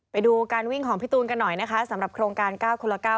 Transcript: ไปดูการวิ่งของพี่ตูนกันหน่อยนะคะสำหรับโครงการ๙คนละ๙